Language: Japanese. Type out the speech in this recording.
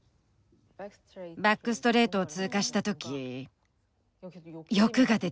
バックストレートを通過した時欲が出てしまった。